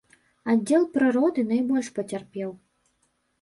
Аддзел прыроды найбольш пацярпеў.